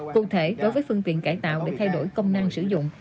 cụ thể đối với phương tiện cải tạo để thay đổi công năng sử dụng